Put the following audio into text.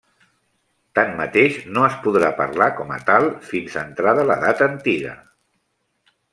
Tanmateix, no es podrà parlar com a tal fins entrada l'edat antiga.